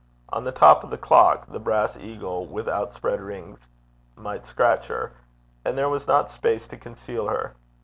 On the top of the clock, the brass eagle with outspread wings might scratch her, and there was not space to conceal her.